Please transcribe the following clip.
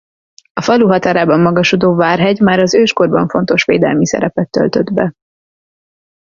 A falu határában magasodó Várhegy már az őskorban fontos védelmi szerepet töltött be.